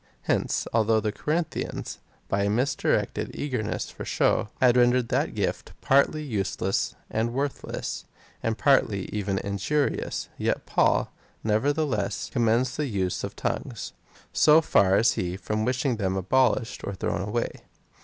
^ Hence, although the Corinthians, by a misdirected eagerness for show, had rendered that gift partly useless and worth less, and partly even injurious, yet Paul, nevertheless, com mends the use of tongues. So far is he from wishing them abolished or thrown away.